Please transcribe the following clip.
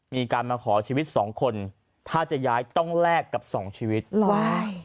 มีการมาขอชีวิตสองคนถ้าจะย้ายต้องแลกกับสองชีวิตหรอ